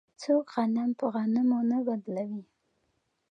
څوک غنم په غنمو نه بدلوي.